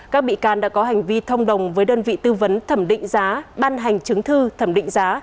các bị can đã có hành vi thông đồng với đơn vị tư vấn thẩm định giá ban hành chứng thư thẩm định giá